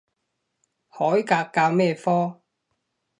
海格教咩科？